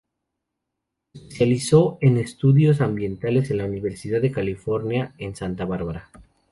Se especializó en estudios ambientales en la Universidad de California en Santa Barbara.